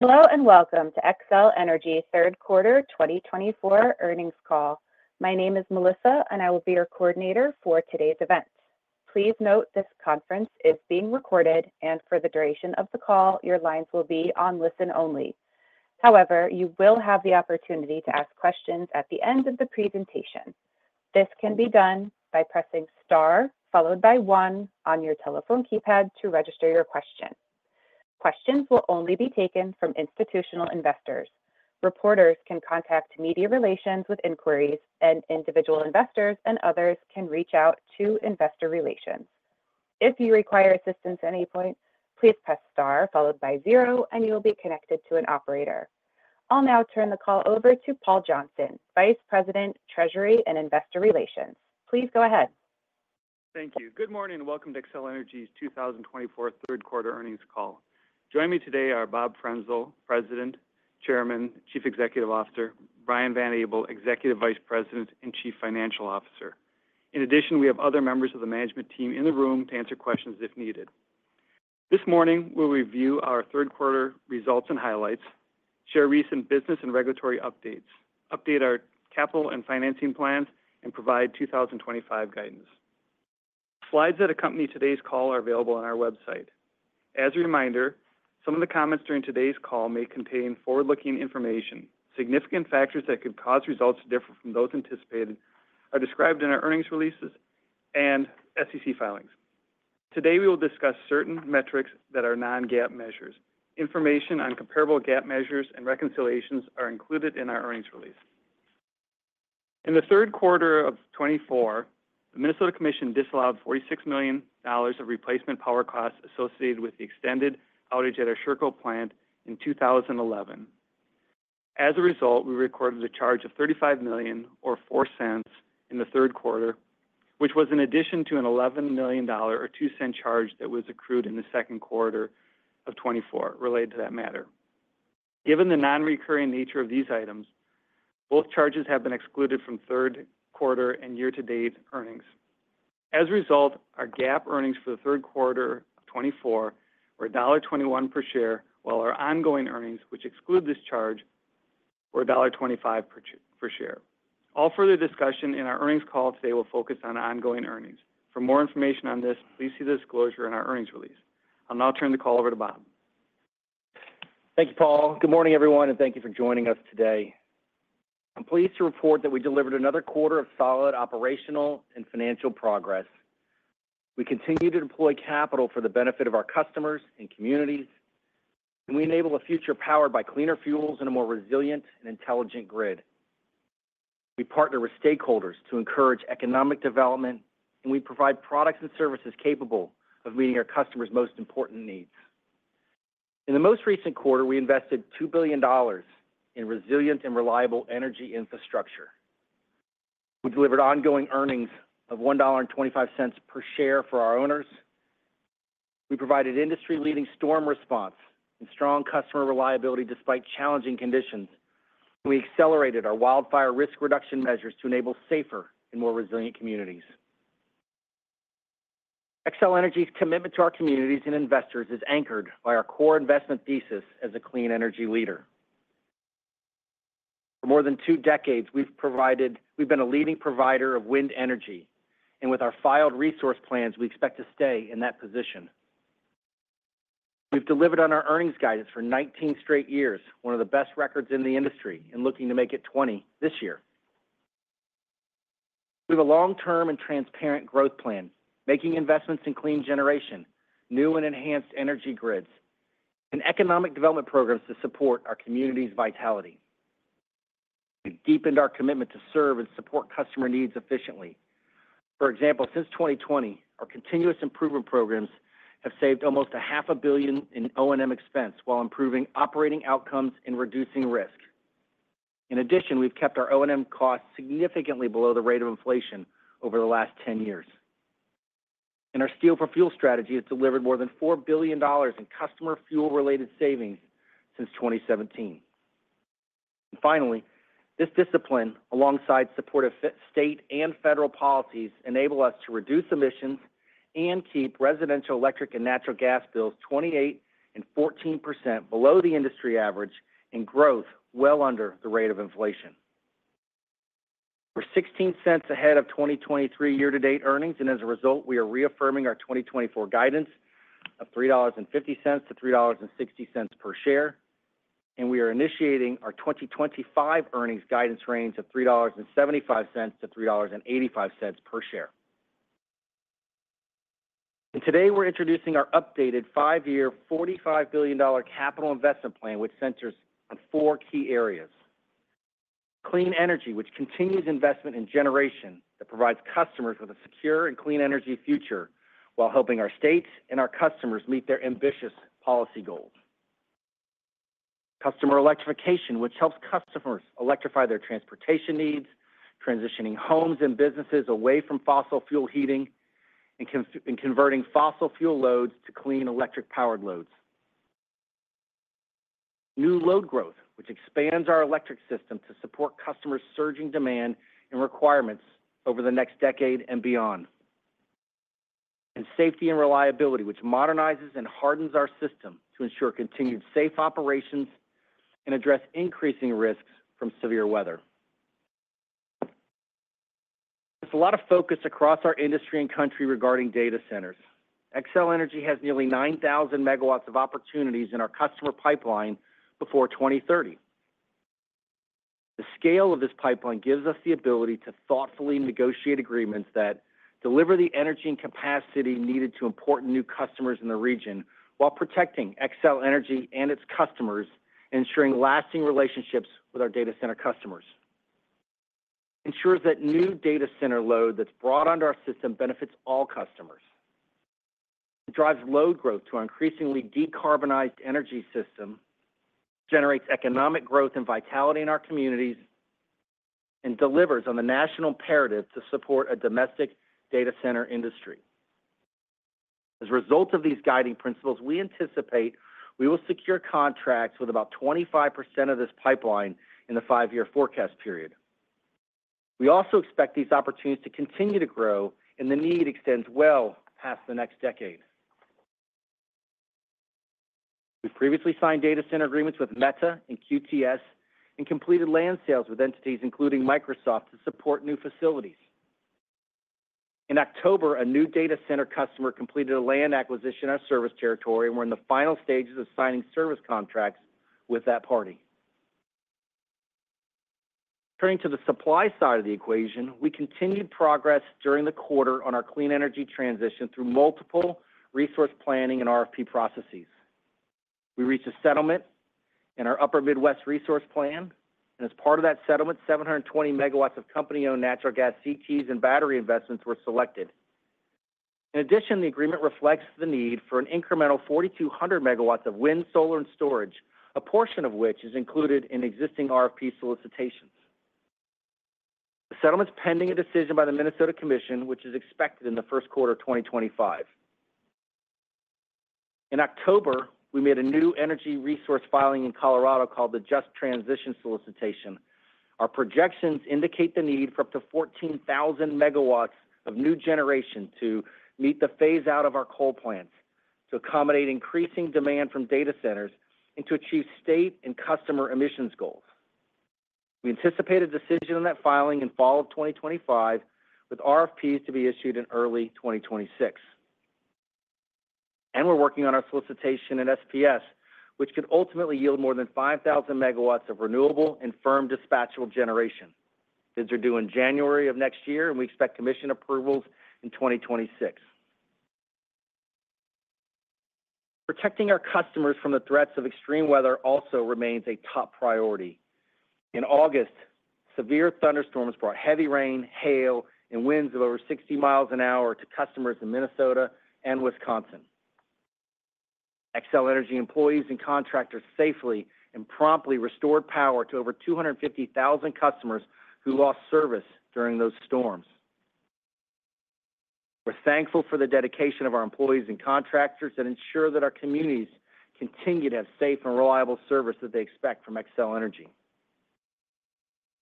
Hello and welcome to Xcel Energy third quarter 2024 earnings call. My name is Melissa, and I will be your coordinator for today's event. Please note this conference is being recorded, and for the duration of the call, your lines will be on listen only. However, you will have the opportunity to ask questions at the end of the presentation. This can be done by pressing star followed by one on your telephone keypad to register your question. Questions will only be taken from institutional investors. Reporters can contact media relations with inquiries, and individual investors and others can reach out to investor relations. If you require assistance at any point, please press star followed by zero, and you will be connected to an operator. I'll now turn the call over to Paul Johnson, Vice President, Treasury and Investor Relations. Please go ahead. Thank you. Good morning and welcome to Xcel Energy's 2024 third quarter earnings call. Joining me today are Bob Frenzel, President, Chairman, Chief Executive Officer. Brian Van Abel, Executive Vice President and Chief Financial Officer. In addition, we have other members of the management team in the room to answer questions if needed. This morning, we'll review our third quarter results and highlights, share recent business and regulatory updates, update our capital and financing plans, and provide 2025 guidance. Slides that accompany today's call are available on our website. As a reminder, some of the comments during today's call may contain forward-looking information. Significant factors that could cause results to differ from those anticipated are described in our earnings releases and SEC filings. Today, we will discuss certain metrics that are non-GAAP measures. Information on comparable GAAP measures and reconciliations are included in our earnings release. In the third quarter of 2024, the Minnesota Commission disallowed $46 million of replacement power costs associated with the extended outage at our Sherco plant in 2011. As a result, we recorded a charge of $35 million, or $0.04, in the third quarter, which was in addition to an $11 million, or $0.02, charge that was accrued in the second quarter of 2024 related to that matter. Given the non-recurring nature of these items, both charges have been excluded from third quarter and year-to-date earnings. As a result, our GAAP earnings for the third quarter of 2024 were $1.21 per share, while our ongoing earnings, which exclude this charge, were $1.25 per share. All further discussion in our earnings call today will focus on ongoing earnings. For more information on this, please see the disclosure in our earnings release. I'll now turn the call over to Bob. Thank you, Paul. Good morning, everyone, and thank you for joining us today. I'm pleased to report that we delivered another quarter of solid operational and financial progress. We continue to deploy capital for the benefit of our customers and communities, and we enable a future powered by cleaner fuels and a more resilient and intelligent grid. We partner with stakeholders to encourage economic development, and we provide products and services capable of meeting our customers' most important needs. In the most recent quarter, we invested $2 billion in resilient and reliable energy infrastructure. We delivered ongoing earnings of $1.25 per share for our owners. We provided industry-leading storm response and strong customer reliability despite challenging conditions. We accelerated our wildfire risk reduction measures to enable safer and more resilient communities. Xcel Energy's commitment to our communities and investors is anchored by our core investment thesis as a clean energy leader. For more than two decades, we've been a leading provider of wind energy, and with our filed resource plans, we expect to stay in that position. We've delivered on our earnings guidance for 19 straight years, one of the best records in the industry, and looking to make it 20 this year. We have a long-term and transparent growth plan, making investments in clean generation, new and enhanced energy grids, and economic development programs to support our community's vitality. We've deepened our commitment to serve and support customer needs efficiently. For example, since 2020, our continuous improvement programs have saved almost $500 million in O&M expense while improving operating outcomes and reducing risk. In addition, we've kept our O&M costs significantly below the rate of inflation over the last 10 years, and our Steel for Fuel strategy has delivered more than $4 billion in customer fuel-related savings since 2017. Finally, this discipline, alongside supportive state and federal policies, enables us to reduce emissions and keep residential electric and natural gas bills 28% and 14% below the industry average and growth well under the rate of inflation. We're $0.16 ahead of 2023 year-to-date earnings, and as a result, we are reaffirming our 2024 guidance of $3.50-$3.60 per share, and we are initiating our 2025 earnings guidance range of $3.75-$3.85 per share. Today, we're introducing our updated five-year, $45 billion capital investment plan, which centers on four key areas: clean energy, which continues investment in generation that provides customers with a secure and clean energy future while helping our states and our customers meet their ambitious policy goals, customer electrification, which helps customers electrify their transportation needs, transitioning homes and businesses away from fossil fuel heating and converting fossil fuel loads to clean electric-powered loads, new load growth, which expands our electric system to support customers' surging demand and requirements over the next decade and beyond, and safety and reliability, which modernizes and hardens our system to ensure continued safe operations and address increasing risks from severe weather. There's a lot of focus across our industry and country regarding data centers. Xcel Energy has nearly 9,000 megawatts of opportunities in our customer pipeline before 2030. The scale of this pipeline gives us the ability to thoughtfully negotiate agreements that deliver the energy and capacity needed to important new customers in the region while protecting Xcel Energy and its customers and ensuring lasting relationships with our data center customers. It ensures that new data center load that's brought under our system benefits all customers. It drives load growth to our increasingly decarbonized energy system, generates economic growth and vitality in our communities, and delivers on the national imperative to support a domestic data center industry. As a result of these guiding principles, we anticipate we will secure contracts with about 25% of this pipeline in the five-year forecast period. We also expect these opportunities to continue to grow, and the need extends well past the next decade. We've previously signed data center agreements with Meta and QTS and completed land sales with entities including Microsoft to support new facilities. In October, a new data center customer completed a land acquisition in our service territory, and we're in the final stages of signing service contracts with that party. Turning to the supply side of the equation, we continued progress during the quarter on our clean energy transition through multiple resource planning and RFP processes. We reached a settlement in our Upper Midwest Resource Plan, and as part of that settlement, 720 megawatts of company-owned natural gas CTs and battery investments were selected. In addition, the agreement reflects the need for an incremental 4,200 megawatts of wind, solar, and storage, a portion of which is included in existing RFP solicitations. The settlement's pending a decision by the Minnesota Commission, which is expected in the first quarter of 2025. In October, we made a new energy resource filing in Colorado called the Just Transition Solicitation. Our projections indicate the need for up to 14,000 megawatts of new generation to meet the phase-out of our coal plants to accommodate increasing demand from data centers and to achieve state and customer emissions goals. We anticipate a decision on that filing in fall of 2025, with RFPs to be issued in early 2026. And we're working on our solicitation at SPS, which could ultimately yield more than 5,000 megawatts of renewable and firm dispatchable generation. Bids are due in January of next year, and we expect commission approvals in 2026. Protecting our customers from the threats of extreme weather also remains a top priority. In August, severe thunderstorms brought heavy rain, hail, and winds of over 60 miles an hour to customers in Minnesota and Wisconsin. Xcel Energy employees and contractors safely and promptly restored power to over 250,000 customers who lost service during those storms. We're thankful for the dedication of our employees and contractors that ensure that our communities continue to have safe and reliable service that they expect from Xcel Energy.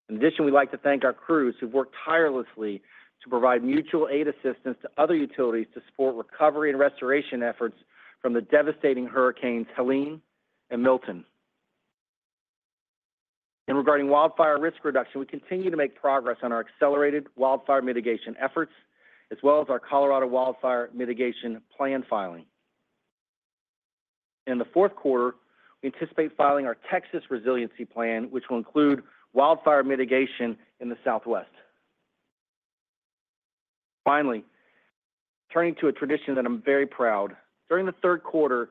In addition, we'd like to thank our crews who've worked tirelessly to provide mutual aid assistance to other utilities to support recovery and restoration efforts from the devastating hurricanes Helene and Milton. Regarding wildfire risk reduction, we continue to make progress on our accelerated wildfire mitigation efforts, as well as our Colorado Wildfire Mitigation Plan filing. In the fourth quarter, we anticipate filing our Texas Resiliency Plan, which will include wildfire mitigation in the Southwest. Finally, turning to a tradition that I'm very proud of, during the third quarter,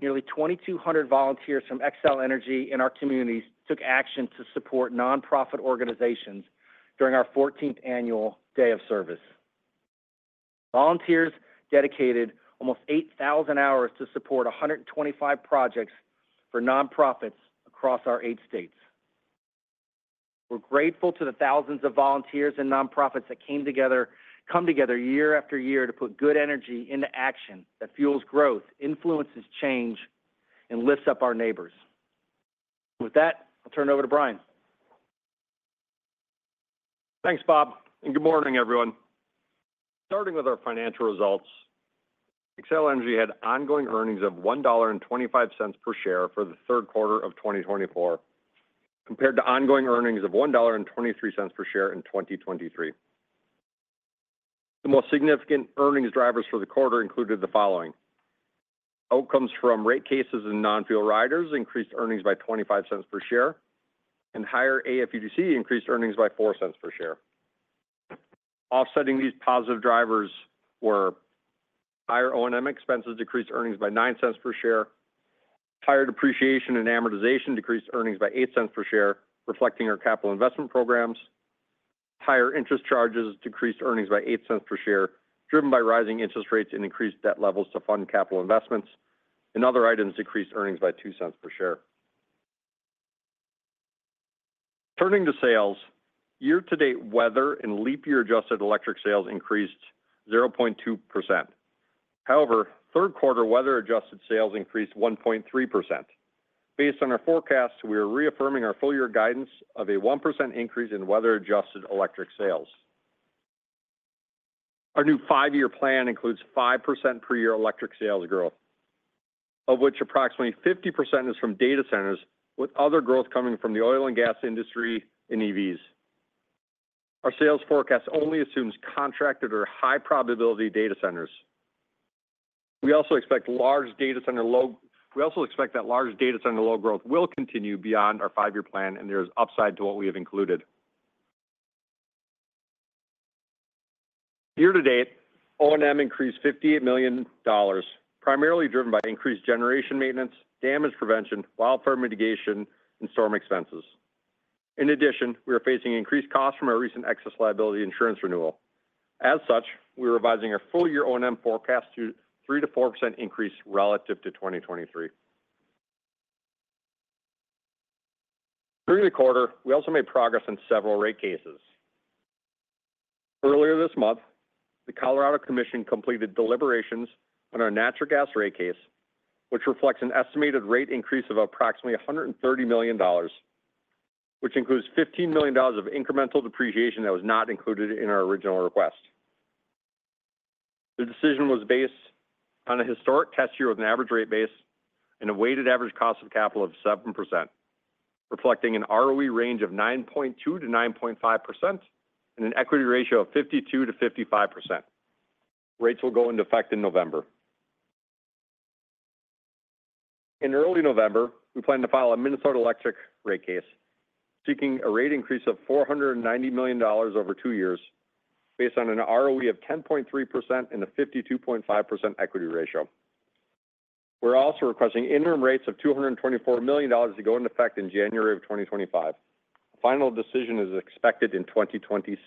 nearly 2,200 volunteers from Xcel Energy and our communities took action to support nonprofit organizations during our 14th annual Day of Service. Volunteers dedicated almost 8,000 hours to support 125 projects for nonprofits across our eight states. We're grateful to the thousands of volunteers and nonprofits that came together year after year to put good energy into action that fuels growth, influences change, and lifts up our neighbors. With that, I'll turn it over to Brian. Thanks, Bob, and good morning, everyone. Starting with our financial results, Xcel Energy had ongoing earnings of $1.25 per share for the third quarter of 2024, compared to ongoing earnings of $1.23 per share in 2023. The most significant earnings drivers for the quarter included the following: outcomes from rate cases and non-fuel riders increased earnings by $0.25 per share, and higher AFUDC increased earnings by $0.04 per share. Offsetting these positive drivers were higher O&M expenses decreased earnings by $0.09 per share, higher depreciation and amortization decreased earnings by $0.08 per share, reflecting our capital investment programs. Higher interest charges decreased earnings by $0.08 per share, driven by rising interest rates and increased debt levels to fund capital investments. And other items decreased earnings by $0.02 per share. Turning to sales, year-to-date weather and leap-year adjusted electric sales increased 0.2%. However, third quarter weather-adjusted sales increased 1.3%. Based on our forecast, we are reaffirming our full-year guidance of a 1% increase in weather-adjusted electric sales. Our new five-year plan includes 5% per year electric sales growth, of which approximately 50% is from data centers, with other growth coming from the oil and gas industry and EVs. Our sales forecast only assumes contracted or high-probability data centers. We also expect that large data center load growth will continue beyond our five-year plan, and there is upside to what we have included. Year-to-date, O&M increased $58 million, primarily driven by increased generation maintenance, damage prevention, wildfire mitigation, and storm expenses. In addition, we are facing increased costs from our recent excess liability insurance renewal. As such, we are revising our full-year O&M forecast to a 3%-4% increase relative to 2023. During the quarter, we also made progress on several rate cases. Earlier this month, the Colorado Commission completed deliberations on our natural gas rate case, which reflects an estimated rate increase of approximately $130 million, which includes $15 million of incremental depreciation that was not included in our original request. The decision was based on a historic test year with an average rate base and a weighted average cost of capital of 7%, reflecting an ROE range of 9.2%-9.5% and an equity ratio of 52%-55%. Rates will go into effect in November. In early November, we plan to file a Minnesota Electric rate case, seeking a rate increase of $490 million over two years, based on an ROE of 10.3% and a 52.5% equity ratio. We're also requesting interim rates of $224 million to go into effect in January of 2025. Final decision is expected in 2026.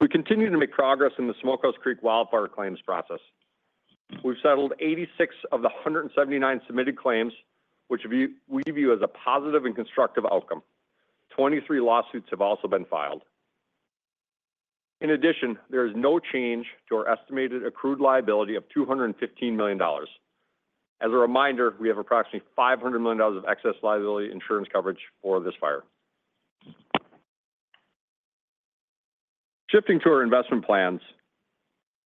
We continue to make progress in the Smokehouse Creek wildfire claims process. We've settled 86 of the 179 submitted claims, which we view as a positive and constructive outcome. 23 lawsuits have also been filed. In addition, there is no change to our estimated accrued liability of $215 million. As a reminder, we have approximately $500 million of excess liability insurance coverage for this fire. Shifting to our investment plans,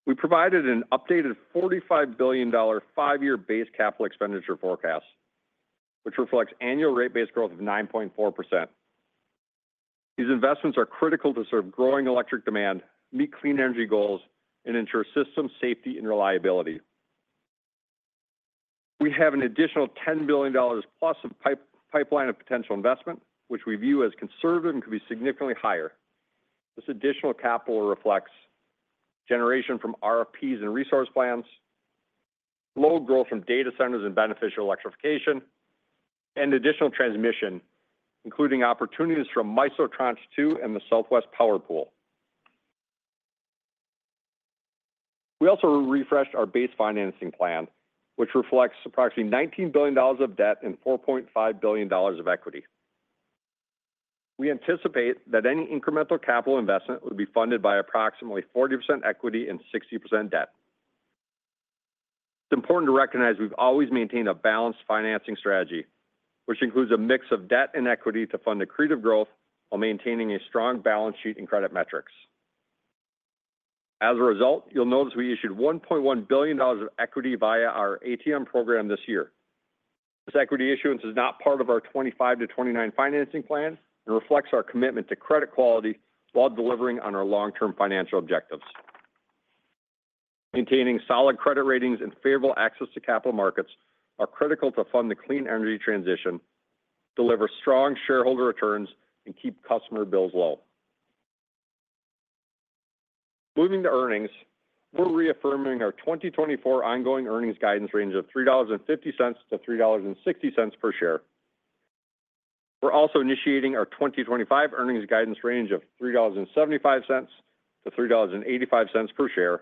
we provided an updated $45 billion five-year base capital expenditure forecast, which reflects annual rate base growth of 9.4%. These investments are critical to serve growing electric demand, meet clean energy goals, and ensure system safety and reliability. We have an additional $10 billion plus of pipeline of potential investment, which we view as conservative and could be significantly higher. This additional capital reflects generation from RFPs and resource plans, load growth from data centers and beneficial electrification, and additional transmission, including opportunities from MISO Tranche 2 and the Southwest Power Pool. We also refreshed our base financing plan, which reflects approximately $19 billion of debt and $4.5 billion of equity. We anticipate that any incremental capital investment would be funded by approximately 40% equity and 60% debt. It's important to recognize we've always maintained a balanced financing strategy, which includes a mix of debt and equity to fund accretive growth while maintaining a strong balance sheet and credit metrics. As a result, you'll notice we issued $1.1 billion of equity via our ATM program this year. This equity issuance is not part of our 2025 to 2029 financing plan and reflects our commitment to credit quality while delivering on our long-term financial objectives. Maintaining solid credit ratings and favorable access to capital markets are critical to fund the clean energy transition, deliver strong shareholder returns, and keep customer bills low. Moving to earnings, we're reaffirming our 2024 ongoing earnings guidance range of $3.50-$3.60 per share. We're also initiating our 2025 earnings guidance range of $3.75-$3.85 per share,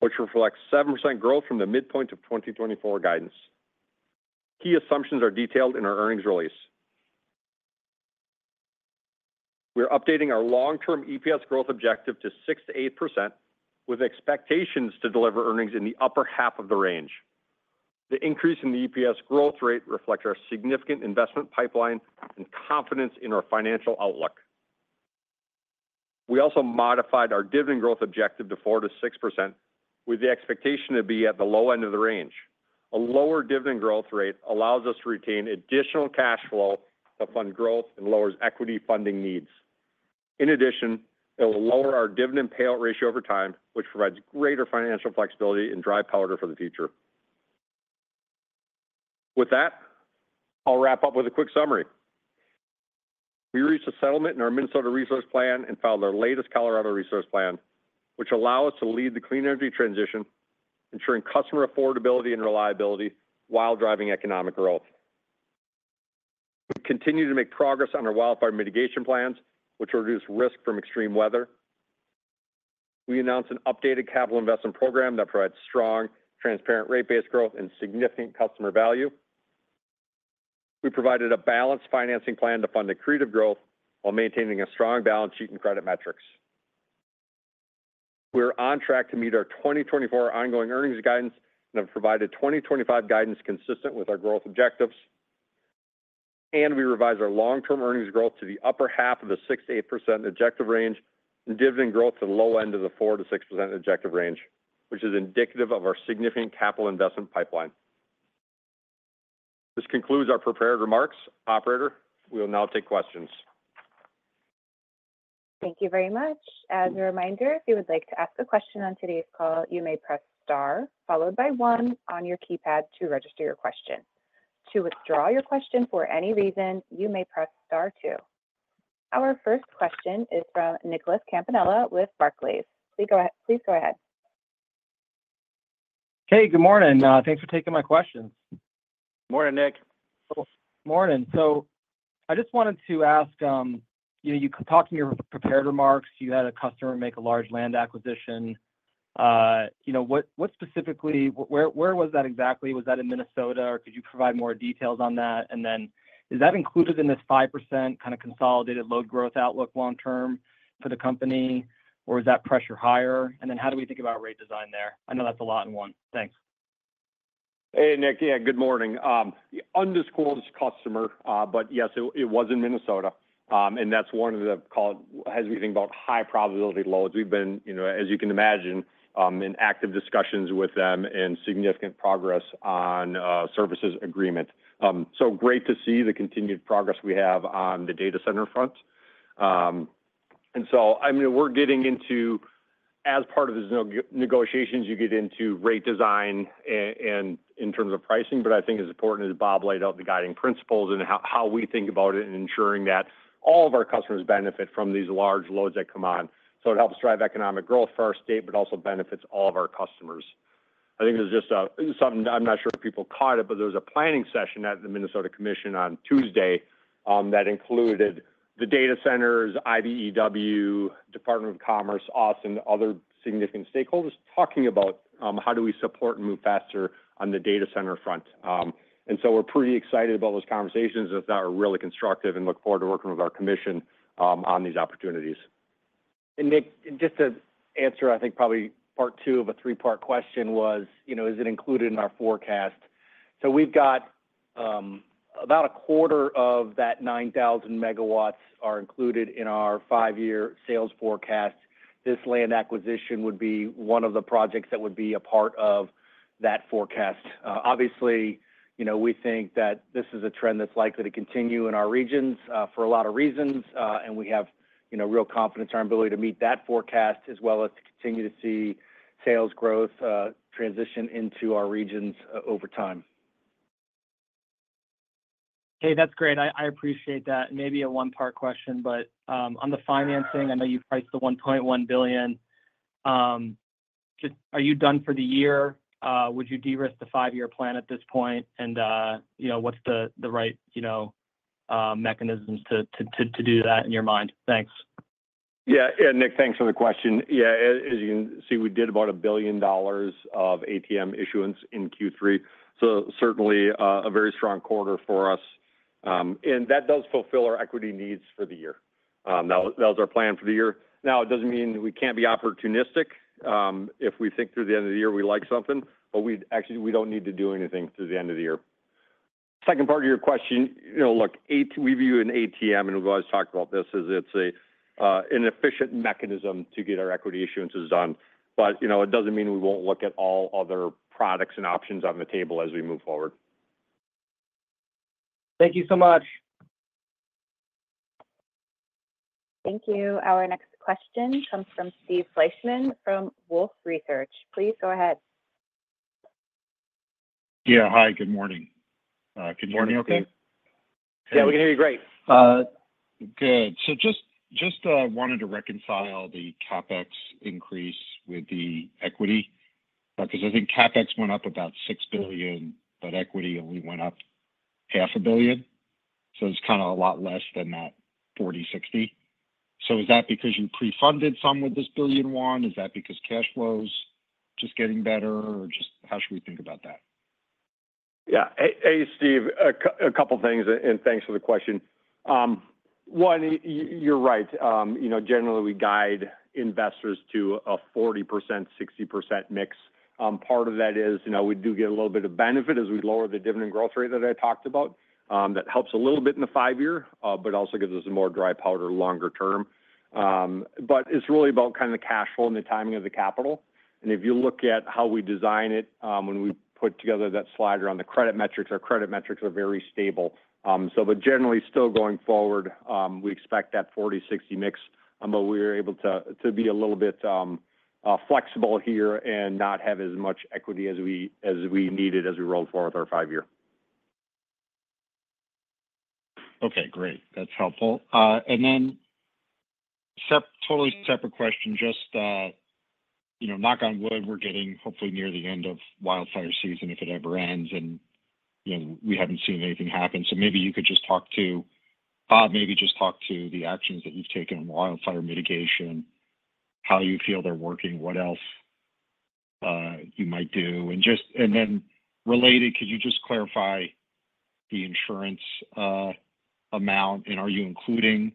which reflects 7% growth from the midpoint of 2024 guidance. Key assumptions are detailed in our earnings release. We're updating our long-term EPS growth objective to 6%-8%, with expectations to deliver earnings in the upper half of the range. The increase in the EPS growth rate reflects our significant investment pipeline and confidence in our financial outlook. We also modified our dividend growth objective to 4%-6%, with the expectation to be at the low end of the range. A lower dividend growth rate allows us to retain additional cash flow to fund growth and lowers equity funding needs. In addition, it will lower our dividend payout ratio over time, which provides greater financial flexibility and dry powder for the future. With that, I'll wrap up with a quick summary. We reached a settlement in our Minnesota Resource Plan and filed our latest Colorado Resource Plan, which allows us to lead the clean energy transition, ensuring customer affordability and reliability while driving economic growth. We continue to make progress on our wildfire mitigation plans, which will reduce risk from extreme weather. We announced an updated capital investment program that provides strong, transparent rate base growth and significant customer value. We provided a balanced financing plan to fund accretive growth while maintaining a strong balance sheet and credit metrics. We're on track to meet our 2024 ongoing earnings guidance and have provided 2025 guidance consistent with our growth objectives, and we revised our long-term earnings growth to the upper half of the 6%-8% objective range and dividend growth to the low end of the 4%-6% objective range, which is indicative of our significant capital investment pipeline. This concludes our prepared remarks. Operator, we will now take questions. Thank you very much. As a reminder, if you would like to ask a question on today's call, you may press star followed by one on your keypad to register your question. To withdraw your question for any reason, you may press star two. Our first question is from Nicholas Campanella with Barclays. Please go ahead. Hey, good morning. Thanks for taking my questions. Morning, Nick. Morning. So I just wanted to ask, you talked in your prepared remarks, you had a customer make a large land acquisition. What specifically, where was that exactly? Was that in Minnesota, or could you provide more details on that? And then is that included in this 5% kind of consolidated low growth outlook long-term for the company, or is that pressure higher? And then how do we think about rate design there? I know that's a lot in one. Thanks. Hey, Nick. Yeah, good morning. Undisclosed customer, but yes, it was in Minnesota. That's one of the, call it, as we think about high probability loads. We've been, as you can imagine, in active discussions with them and significant progress on services agreement. Great to see the continued progress we have on the data center front. And so, I mean, we're getting into, as part of these negotiations, you get into rate design and in terms of pricing, but I think it's important, as Bob laid out, the guiding principles and how we think about it and ensuring that all of our customers benefit from these large loads that come on. It helps drive economic growth for our state, but also benefits all of our customers. I think it was just a. I'm not sure if people caught it, but there was a planning session at the Minnesota Commission on Tuesday that included the data centers, IBEW, Department of Commerce, Austin, other significant stakeholders talking about how do we support and move faster on the data center front, and so we're pretty excited about those conversations that are really constructive and look forward to working with our commission on these opportunities. And Nick, just to answer, I think probably part two of a three-part question was, is it included in our forecast? So we've got about a quarter of that 9,000 megawatts are included in our five-year sales forecast. This land acquisition would be one of the projects that would be a part of that forecast. Obviously, we think that this is a trend that's likely to continue in our regions for a lot of reasons, and we have real confidence in our ability to meet that forecast, as well as to continue to see sales growth transition into our regions over time. Hey, that's great. I appreciate that. Maybe a one-part question, but on the financing, I know you priced the $1.1 billion. Are you done for the year? Would you de-risk the five-year plan at this point? And what's the right mechanisms to do that in your mind? Thanks. Yeah. Yeah, Nick, thanks for the question. Yeah, as you can see, we did about $1 billion of ATM issuance in Q3. So certainly a very strong quarter for us. And that does fulfill our equity needs for the year. That was our plan for the year. Now, it doesn't mean we can't be opportunistic. If we think through the end of the year, we like something, but we actually don't need to do anything through the end of the year. Second part of your question, look, we view an ATM, and we've always talked about this, as it's an efficient mechanism to get our equity issuances done. But it doesn't mean we won't look at all other products and options on the table as we move forward. Thank you so much. Thank you. Our next question comes from Steve Fleischman from Wolfe Research. Please go ahead. Yeah. Hi, good morning. Can you hear me okay? Good. Yeah, we can hear you great. Good. So just wanted to reconcile the CapEx increase with the equity because I think CapEx went up about $6 billion, but equity only went up $500 million. So it's kind of a lot less than that 40, 60. So is that because you pre-funded some with this billion one? Is that because cash flow's just getting better? Or just how should we think about that? Yeah. Hey, Steve, a couple of things, and thanks for the question. One, you're right. Generally, we guide investors to a 40%-60% mix. Part of that is we do get a little bit of benefit as we lower the dividend growth rate that I talked about. That helps a little bit in the five-year, but also gives us more dry powder longer term. But it's really about kind of the cash flow and the timing of the capital. And if you look at how we design it, when we put together that slider on the credit metrics, our credit metrics are very stable. But generally, still going forward, we expect that 40%-60% mix, but we're able to be a little bit flexible here and not have as much equity as we needed as we rolled forward with our five-year. Okay. Great. That's helpful. And then totally separate question, just knock on wood, we're getting hopefully near the end of wildfire season if it ever ends, and we haven't seen anything happen. So maybe you could just talk to the actions that you've taken on wildfire mitigation, how you feel they're working, what else you might do. And then related, could you just clarify the insurance amount? And are you including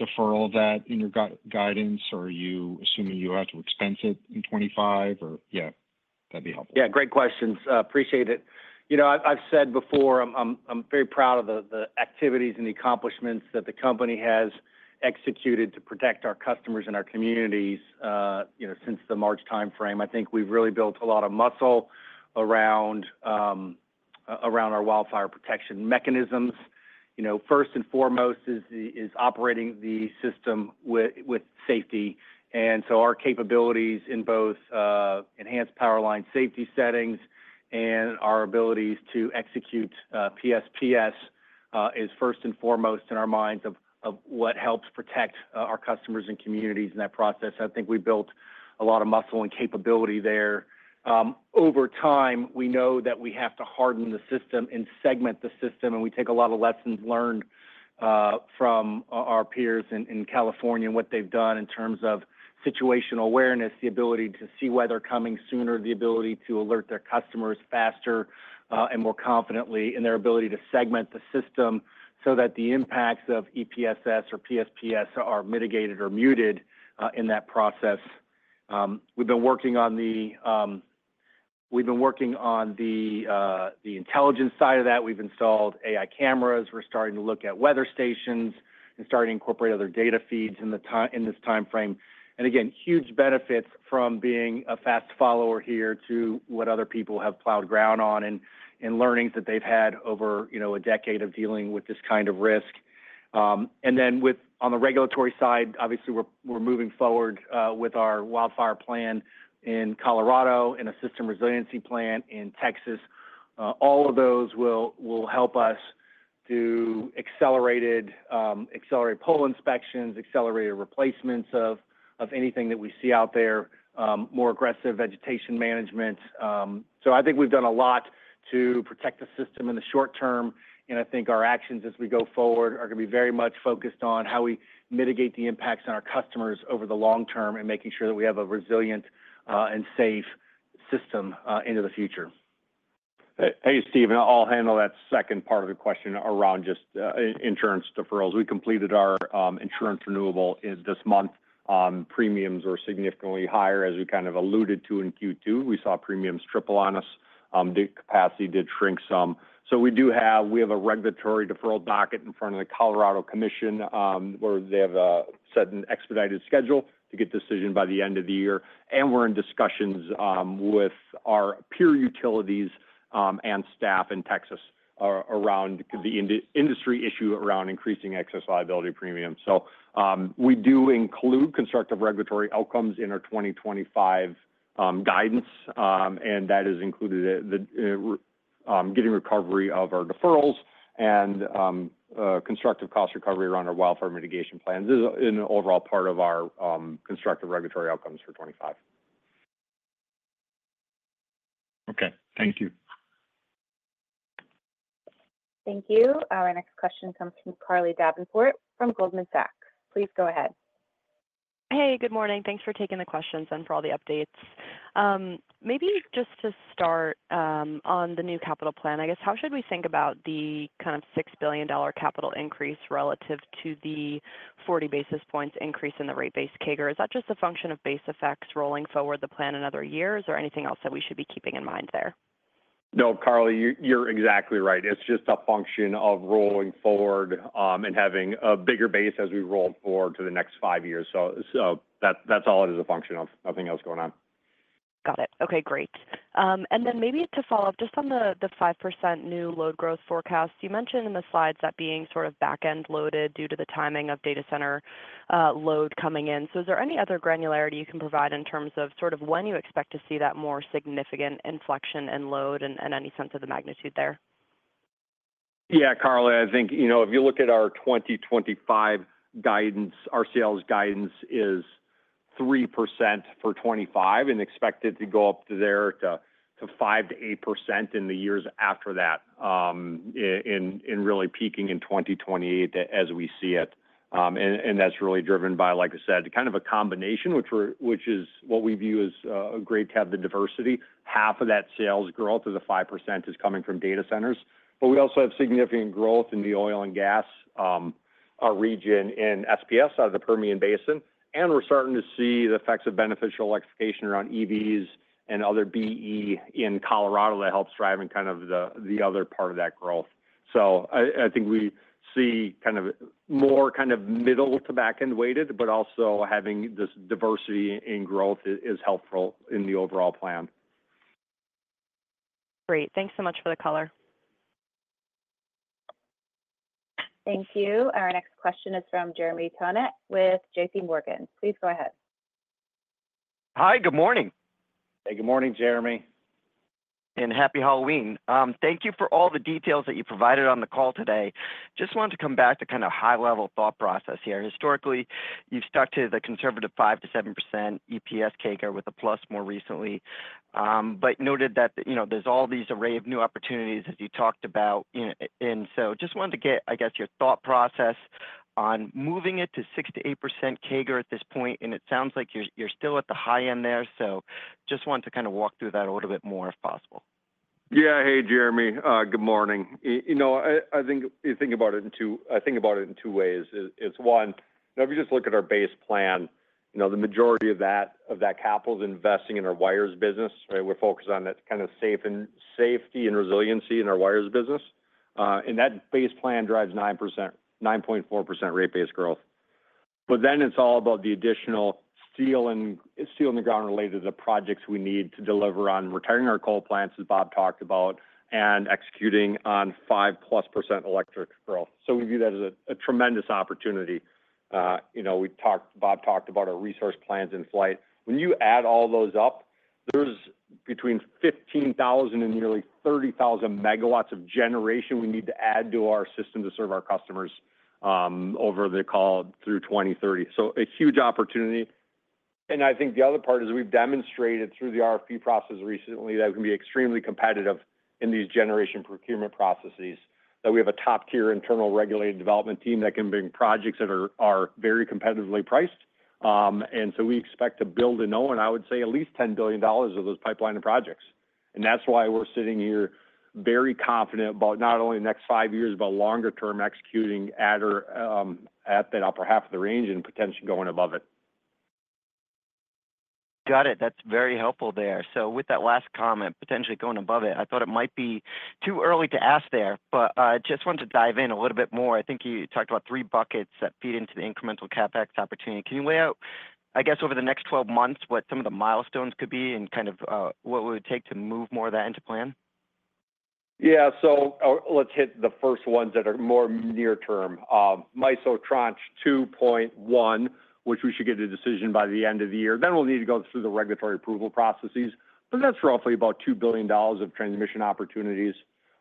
deferral of that in your guidance, or are you assuming you have to expense it in 2025? Or yeah, that'd be helpful. Yeah. Great questions. Appreciate it. I've said before, I'm very proud of the activities and the accomplishments that the company has executed to protect our customers and our communities since the March timeframe. I think we've really built a lot of muscle around our wildfire protection mechanisms. First and foremost is operating the system with safety. And so our capabilities in both Enhanced Powerline Safety Settings and our abilities to execute PSPS is first and foremost in our minds of what helps protect our customers and communities in that process. I think we built a lot of muscle and capability there. Over time, we know that we have to harden the system and segment the system, and we take a lot of lessons learned from our peers in California and what they've done in terms of situational awareness, the ability to see weather coming sooner, the ability to alert their customers faster and more confidently, and their ability to segment the system so that the impacts of EPSS or PSPS are mitigated or muted in that process. We've been working on the intelligence side of that. We've installed AI cameras. We're starting to look at weather stations and starting to incorporate other data feeds in this timeframe, and again, huge benefits from being a fast follower here to what other people have plowed ground on and learnings that they've had over a decade of dealing with this kind of risk. And then on the regulatory side, obviously, we're moving forward with our wildfire plan in Colorado and a system resiliency plan in Texas. All of those will help us to accelerate pole inspections, accelerate replacements of anything that we see out there, more aggressive vegetation management. So I think we've done a lot to protect the system in the short term. And I think our actions as we go forward are going to be very much focused on how we mitigate the impacts on our customers over the long term and making sure that we have a resilient and safe system into the future. Hey, Steve. I'll handle that second part of the question around just insurance deferrals. We completed our insurance renewal this month. Premiums were significantly higher, as we kind of alluded to in Q2. We saw premiums triple on us. The capacity did shrink some. So we have a regulatory deferral docket in front of the Colorado Commission where they have set an expedited schedule to get decision by the end of the year, and we're in discussions with our peer utilities and staff in Texas around the industry issue around increasing excess liability premiums, so we do include constructive regulatory outcomes in our 2025 guidance, and that is included getting recovery of our deferrals and constructive cost recovery around our wildfire mitigation plans in an overall part of our constructive regulatory outcomes for 2025. Okay. Thank you. Thank you. Our next question comes from Carly Davenport from Goldman Sachs. Please go ahead. Hey, good morning. Thanks for taking the questions and for all the updates. Maybe just to start on the new capital plan, I guess, how should we think about the kind of $6 billion capital increase relative to the 40 basis points increase in the rate-based CAGR? Is that just a function of base effects rolling forward the plan another year, or is there anything else that we should be keeping in mind there? No, Carly, you're exactly right. It's just a function of rolling forward and having a bigger base as we roll forward to the next five years. So that's all it is a function of, nothing else going on. Got it. Okay. Great. And then maybe to follow up, just on the 5% new load growth forecast, you mentioned in the slides that being sort of back-end loaded due to the timing of data center load coming in. So is there any other granularity you can provide in terms of sort of when you expect to see that more significant inflection and load and any sense of the magnitude there? Yeah, Carly, I think if you look at our 2025 guidance, our sales guidance is 3% for 2025 and expected to go up there to 5%-8% in the years after that and really peaking in 2028 as we see it. And that's really driven by, like I said, kind of a combination, which is what we view as great to have the diversity. Half of that sales growth of the 5% is coming from data centers. But we also have significant growth in the oil and gas region in SPS out of the Permian Basin. And we're starting to see the effects of beneficial electrification around EVs and other BE in Colorado that helps drive in kind of the other part of that growth. So I think we see kind of more kind of middle to back-end weighted, but also having this diversity in growth is helpful in the overall plan. Great. Thanks so much for the color. Thank you. Our next question is from Jeremy Tonet with J.P. Morgan. Please go ahead. Hi, good morning. Hey, good morning, Jeremy. Happy Halloween. Thank you for all the details that you provided on the call today. Just wanted to come back to kind of high-level thought process here. Historically, you've stuck to the conservative 5%-7% EPS CAGR with a plus more recently, but noted that there's all these array of new opportunities as you talked about. So just wanted to get, I guess, your thought process on moving it to 6%-8% CAGR at this point. It sounds like you're still at the high end there. So just wanted to kind of walk through that a little bit more if possible. Yeah. Hey, Jeremy, good morning. I think about it in two ways. It's one, if you just look at our base plan, the majority of that capital is investing in our wires business. We're focused on that kind of safety and resiliency in our wires business. And that base plan drives 9.4% rate base growth. But then it's all about the additional steel in the ground related to the projects we need to deliver on retiring our coal plants, as Bob talked about, and executing on 5-plus% electric growth. So we view that as a tremendous opportunity. Bob talked about our resource plans in flight. When you add all those up, there's between 15,000 and nearly 30,000 megawatts of generation we need to add to our system to serve our customers over the long haul through 2030. So a huge opportunity. And I think the other part is we've demonstrated through the RFP process recently that we can be extremely competitive in these generation procurement processes, that we have a top-tier internal regulated development team that can bring projects that are very competitively priced. And so we expect to build and own, I would say, at least $10 billion of those pipeline projects. And that's why we're sitting here very confident about not only the next five years, but longer-term executing at that upper half of the range and potentially going above it. Got it. That's very helpful there. So with that last comment, potentially going above it, I thought it might be too early to ask there, but I just wanted to dive in a little bit more. I think you talked about three buckets that feed into the incremental CapEx opportunity. Can you lay out, I guess, over the next 12 months, what some of the milestones could be and kind of what would it take to move more of that into plan? Yeah. So let's hit the first ones that are more near-term. MISO Tranche 2.1, which we should get a decision by the end of the year. Then we'll need to go through the regulatory approval processes. But that's roughly about $2 billion of transmission opportunities.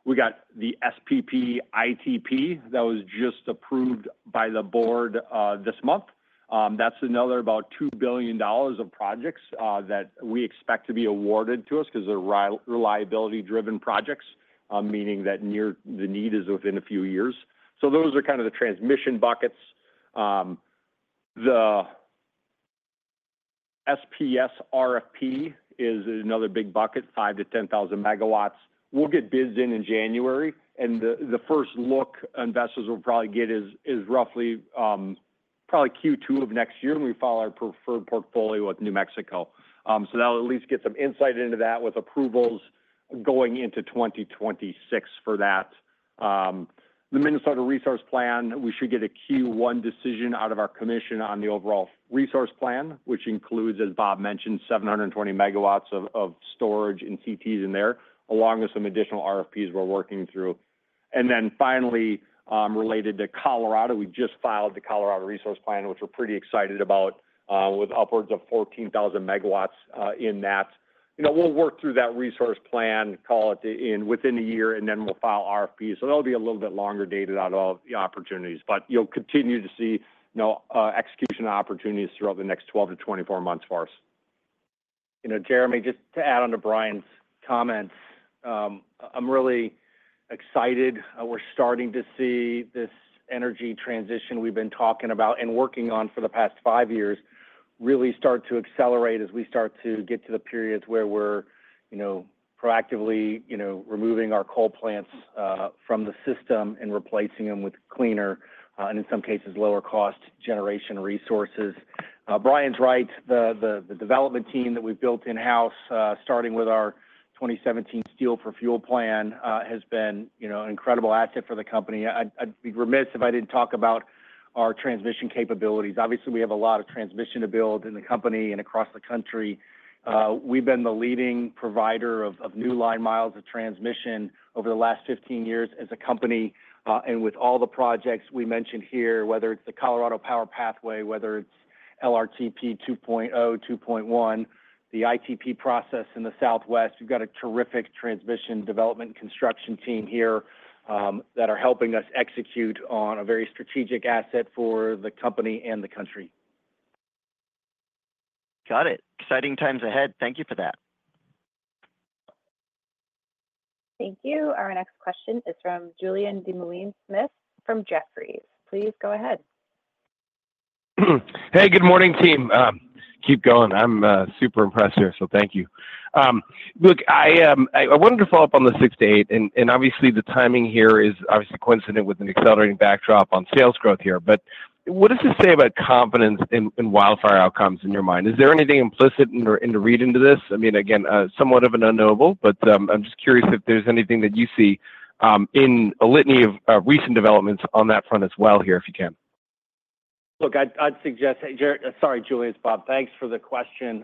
We got the SPP ITP that was just approved by the board this month. That's another about $2 billion of projects that we expect to be awarded to us because they're reliability-driven projects, meaning that the need is within a few years. So those are kind of the transmission buckets. The SPS RFP is another big bucket, 5-10 thousand megawatts. We'll get bids in January. And the first look investors will probably get is roughly Q2 of next year, and we follow our preferred portfolio with New Mexico. So that'll at least get some insight into that with approvals going into 2026 for that. The Minnesota Resource Plan, we should get a Q1 decision out of our commission on the overall resource plan, which includes, as Bob mentioned, 720 megawatts of storage and CTs in there, along with some additional RFPs we're working through. And then finally, related to Colorado, we just filed the Colorado Resource Plan, which we're pretty excited about, with upwards of 14,000 megawatts in that. We'll work through that resource plan, call it within a year, and then we'll file RFPs. So that'll be a little bit longer dated out of the opportunities. But you'll continue to see execution opportunities throughout the next 12 to 24 months for us. Jeremy, just to add on to Brian's comments, I'm really excited. We're starting to see this energy transition we've been talking about and working on for the past five years really start to accelerate as we start to get to the periods where we're proactively removing our coal plants from the system and replacing them with cleaner and, in some cases, lower-cost generation resources. Brian's right. The development team that we've built in-house, starting with our 2017 Steel for Fuel Plan, has been an incredible asset for the company. I'd be remiss if I didn't talk about our transmission capabilities. Obviously, we have a lot of transmission to build in the company and across the country. We've been the leading provider of new line miles of transmission over the last 15 years as a company. With all the projects we mentioned here, whether it's the Colorado Power Pathway, whether it's LRTP 2.0, 2.1, the ITP process in the Southwest, we've got a terrific transmission development construction team here that are helping us execute on a very strategic asset for the company and the country. Got it. Exciting times ahead. Thank you for that. Thank you. Our next question is from Julian Dumoulin-Smith from Jefferies. Please go ahead. Hey, good morning, team. Keep going. I'm super impressed here, so thank you. Look, I wanted to follow up on the 6 to 8, and obviously, the timing here is obviously coincident with an accelerating backdrop on sales growth here, but what does this say about confidence in wildfire outcomes in your mind? Is there anything implicit in the read into this? I mean, again, somewhat of an unknowable, but I'm just curious if there's anything that you see in a litany of recent developments on that front as well here, if you can. Look, I'd suggest, sorry, Julian. It's Bob. Thanks for the question.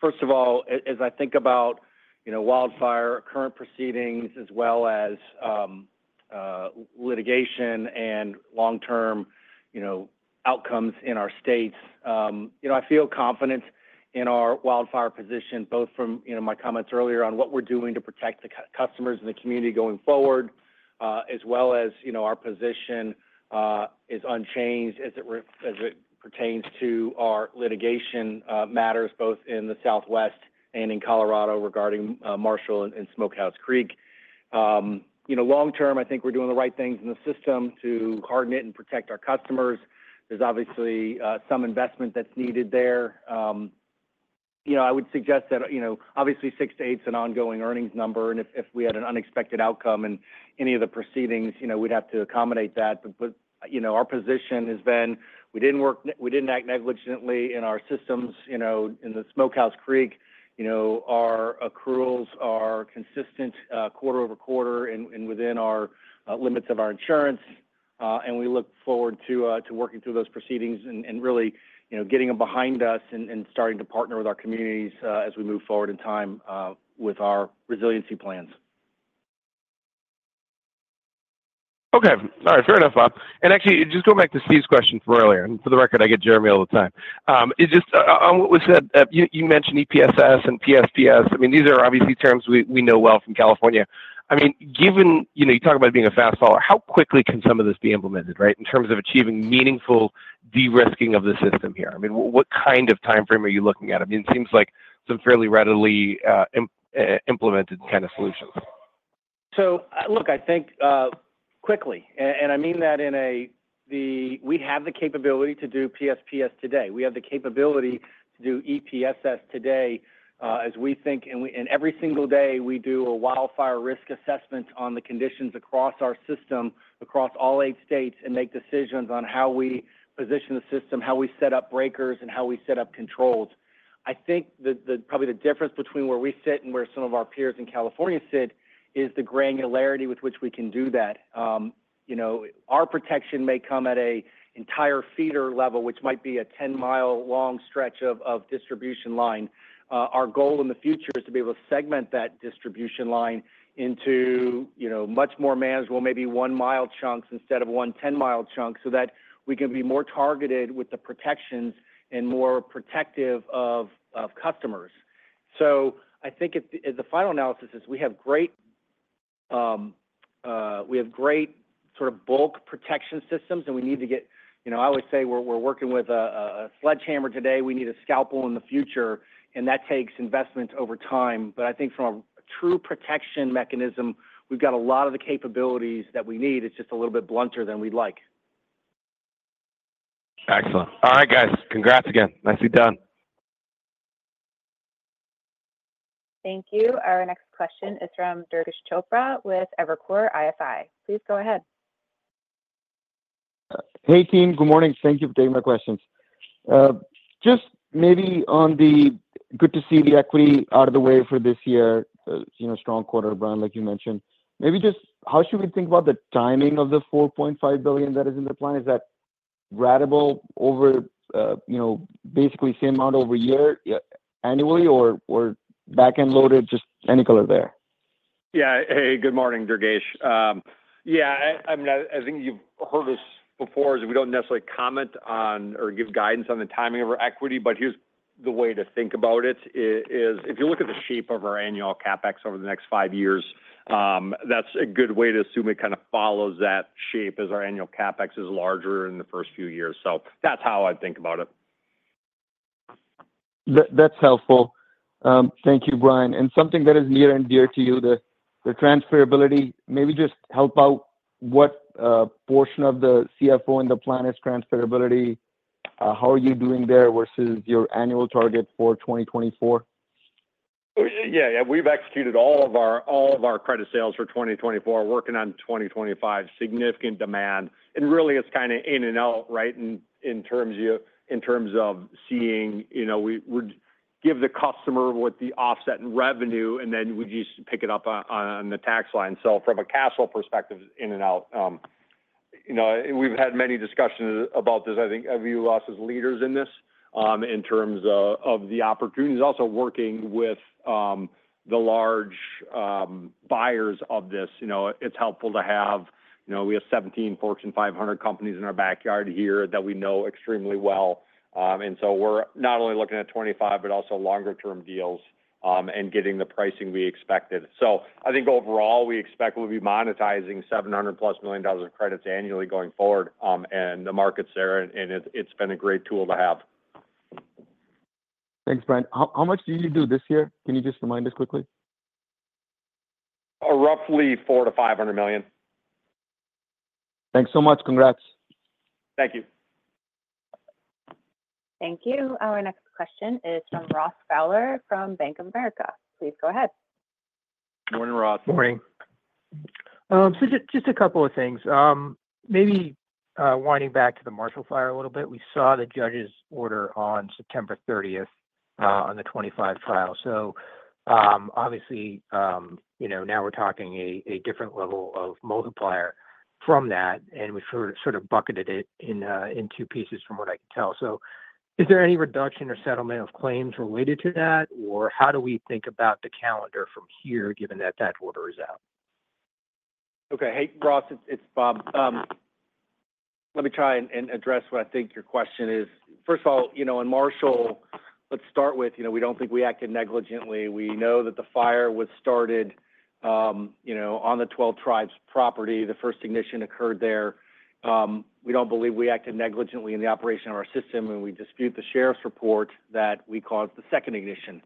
First of all, as I think about wildfire current proceedings as well as litigation and long-term outcomes in our states, I feel confident in our wildfire position, both from my comments earlier on what we're doing to protect the customers and the community going forward, as well as our position is unchanged as it pertains to our litigation matters both in the Southwest and in Colorado regarding Marshall and Smokehouse Creek. Long-term, I think we're doing the right things in the system to harden it and protect our customers. There's obviously some investment that's needed there. I would suggest that obviously, 6%-8% is an ongoing earnings number. And if we had an unexpected outcome in any of the proceedings, we'd have to accommodate that. But our position has been we didn't act negligently in our systems in the Smokehouse Creek. Our accruals are consistent quarter over quarter and within our limits of our insurance. And we look forward to working through those proceedings and really getting them behind us and starting to partner with our communities as we move forward in time with our resiliency plans. Okay. All right. Fair enough, Bob. And actually, just going back to Steve's question from earlier, and for the record, I get Jeremy all the time. On what was said, you mentioned EPSS and PSPS. I mean, these are obviously terms we know well from California. I mean, given you talk about being a fast follower, how quickly can some of this be implemented, right, in terms of achieving meaningful de-risking of the system here? I mean, what kind of timeframe are you looking at? I mean, it seems like some fairly readily implemented kind of solutions. Look, I think quickly. I mean that in a. We have the capability to do PSPS today. We have the capability to do EPSS today as we think. Every single day, we do a wildfire risk assessment on the conditions across our system, across all eight states, and make decisions on how we position the system, how we set up breakers, and how we set up controls. I think probably the difference between where we sit and where some of our peers in California sit is the granularity with which we can do that. Our protection may come at an entire feeder level, which might be a 10-mile-long stretch of distribution line. Our goal in the future is to be able to segment that distribution line into much more manageable, maybe 1-mile chunks instead of 1-10-mile chunks so that we can be more targeted with the protections and more protective of customers, so I think the final analysis is we have great sort of bulk protection systems, and we need to get, I always say we're working with a sledgehammer today. We need a scalpel in the future, and that takes investment over time. But I think from a true protection mechanism, we've got a lot of the capabilities that we need. It's just a little bit blunter than we'd like. Excellent. All right, guys. Congrats again. Nice to be done. Thank you. Our next question is from Durgesh Chopra with Evercore ISI. Please go ahead. Hey, team. Good morning. Thank you for taking my questions. Just maybe on the glad to see the equity out of the way for this year, strong quarter, Brian, like you mentioned. Maybe just how should we think about the timing of the $4.5 billion that is in the plan? Is that ratable over basically same amount over year annually or back-end loaded, just any color there? Yeah. Hey, good morning, Durgesh. Yeah. I mean, I think you've heard us before is we don't necessarily comment on or give guidance on the timing of our equity, but here's the way to think about it. If you look at the shape of our annual CapEx over the next five years, that's a good way to assume it kind of follows that shape as our annual CapEx is larger in the first few years. So that's how I'd think about it. That's helpful. Thank you, Brian. And something that is near and dear to you, the transferability, maybe just help out what portion of the CapEx in the plan is transferability. How are you doing there versus your annual target for 2024? Yeah. Yeah. We've executed all of our credit sales for 2024. We're working on 2025. Significant demand. And really, it's kind of in and out, right, in terms of seeing we give the customer with the offset and revenue, and then we just pick it up on the tax line. So from a cash flow perspective, it's in and out. We've had many discussions about this. I think a few of us as leaders in this in terms of the opportunities. Also working with the large buyers of this, it's helpful to have we have 17 Fortune 500 companies in our backyard here that we know extremely well. And so we're not only looking at 25, but also longer-term deals and getting the pricing we expected. So I think overall, we expect we'll be monetizing $700 million-plus of credits annually going forward. The market's there, and it's been a great tool to have. Thanks, Brian. How much do you do this year? Can you just remind us quickly? Roughly $4 million to $500 million. Thanks so much. Congrats. Thank you. Thank you. Our next question is from Ross Fowler from Bank of America. Please go ahead. Morning, Ross. Morning. So just a couple of things. Maybe winding back to the Marshall Fire a little bit. We saw the judge's order on September 30th on the 25 file. So obviously, now we're talking a different level of multiplier from that, and we've sort of bucketed it in two pieces from what I can tell. So is there any reduction or settlement of claims related to that, or how do we think about the calendar from here given that that order is out? Okay. Hey, Ross, it's Bob. Let me try and address what I think your question is. First of all, in Marshall, let's start with we don't think we acted negligently. We know that the fire was started on the Twelve Tribes property. The first ignition occurred there. We don't believe we acted negligently in the operation of our system, and we dispute the sheriff's report that we caused the second ignition.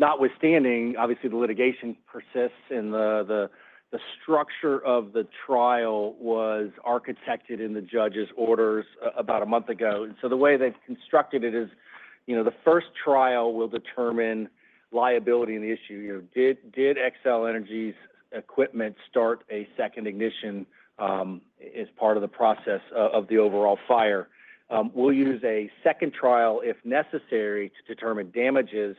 Notwithstanding, obviously, the litigation persists, and the structure of the trial was architected in the judge's orders about a month ago. And so the way they've constructed it is the first trial will determine liability and the issue. Did Xcel Energy's equipment start a second ignition as part of the process of the overall fire? We'll use a second trial if necessary to determine damages,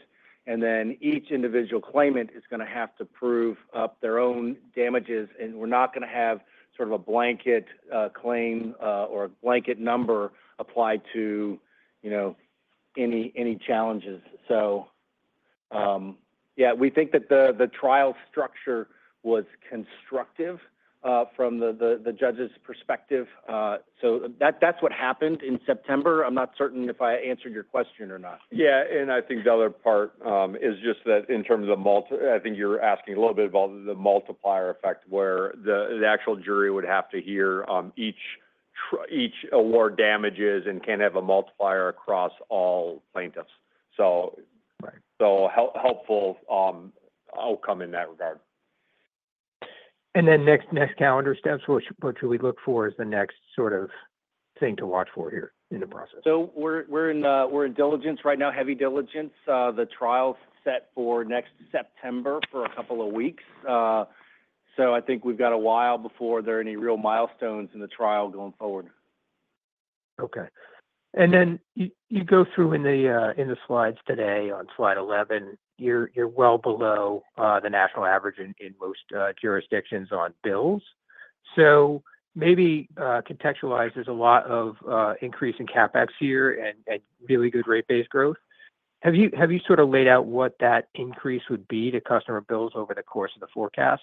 and then each individual claimant is going to have to prove up their own damages. And we're not going to have sort of a blanket claim or a blanket number applied to any challenges. So yeah, we think that the trial structure was constructive from the judge's perspective. So that's what happened in September. I'm not certain if I answered your question or not. Yeah. And I think the other part is just that, in terms of the, I think you're asking a little bit about the multiplier effect where the actual jury would have to hear each award damages and can have a multiplier across all plaintiffs. So helpful outcome in that regard. And then, next calendar steps, what should we look for as the next sort of thing to watch for here in the process? So we're in diligence right now, heavy diligence. The trial's set for next September for a couple of weeks. So I think we've got a while before there are any real milestones in the trial going forward. Okay. And then you go through in the slides today on slide 11. You're well below the national average in most jurisdictions on bills. So maybe contextualize. There's a lot of increase in CapEx here and really good rate base growth. Have you sort of laid out what that increase would be to customer bills over the course of the forecasts?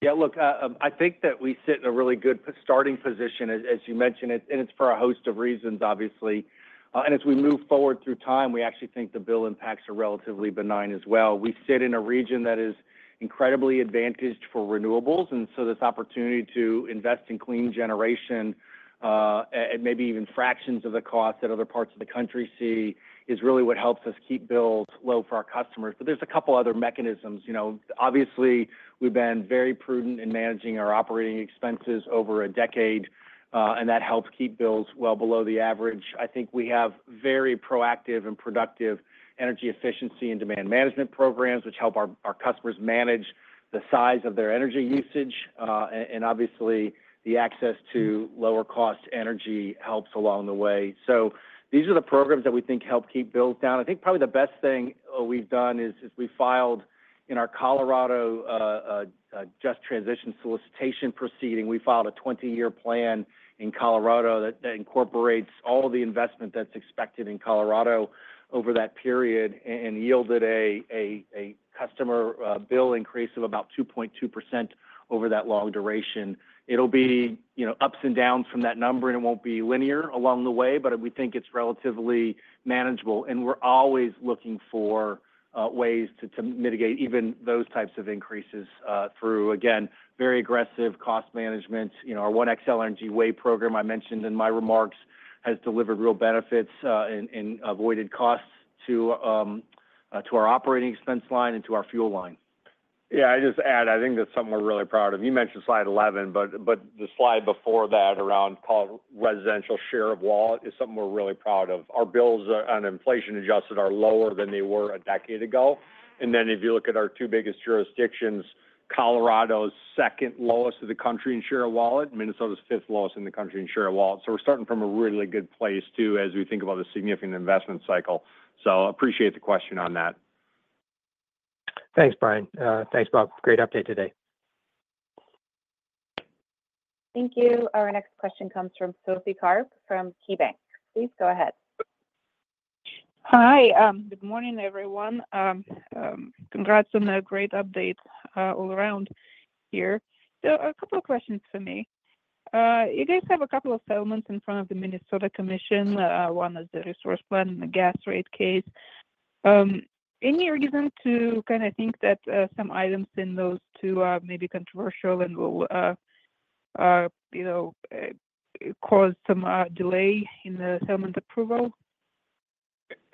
Yeah. Look, I think that we sit in a really good starting position, as you mentioned, and it's for a host of reasons, obviously. And as we move forward through time, we actually think the bill impacts are relatively benign as well. We sit in a region that is incredibly advantaged for renewables. And so this opportunity to invest in clean generation at maybe even fractions of the cost that other parts of the country see is really what helps us keep bills low for our customers. But there's a couple of other mechanisms. Obviously, we've been very prudent in managing our operating expenses over a decade, and that helps keep bills well below the average. I think we have very proactive and productive energy efficiency and demand management programs, which help our customers manage the size of their energy usage. And obviously, the access to lower-cost energy helps along the way. So these are the programs that we think help keep bills down. I think probably the best thing we've done is we filed in our Colorado Just Transition Solicitation proceeding. We filed a 20-year plan in Colorado that incorporates all the investment that's expected in Colorado over that period and yielded a customer bill increase of about 2.2% over that long duration. It'll be ups and downs from that number, and it won't be linear along the way, but we think it's relatively manageable. And we're always looking for ways to mitigate even those types of increases through, again, very aggressive cost management. Our One Xcel Energy Way program I mentioned in my remarks has delivered real benefits and avoided costs to our operating expense line and to our fuel line. Yeah. I just add, I think that's something we're really proud of. You mentioned slide 11, but the slide before that around called Residential Share of Wallet is something we're really proud of. Our bills on inflation adjusted are lower than they were a decade ago. And then if you look at our two biggest jurisdictions, Colorado's second lowest of the country in share of wallet, Minnesota's fifth lowest in the country in share of wallet. So we're starting from a really good place too as we think about the significant investment cycle. So appreciate the question on that. Thanks, Brian. Thanks, Bob. Great update today. Thank you. Our next question comes from Sophie Karp from KeyBanc. Please go ahead. Hi. Good morning, everyone. Congrats on the great update all around here. So a couple of questions for me. You guys have a couple of settlements in front of the Minnesota Commission. One is the resource plan and the gas rate case. Any reason to kind of think that some items in those two are maybe controversial and will cause some delay in the settlement approval?